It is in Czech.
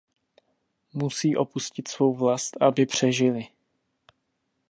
Musí opustit svou vlast, aby přežili.